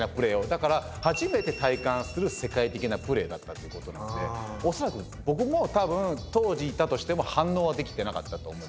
だから初めて体感する世界的なプレーだったってことなんで恐らく僕も多分当時いたとしても反応はできてなかったと思います。